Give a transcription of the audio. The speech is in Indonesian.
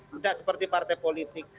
tidak seperti partai politik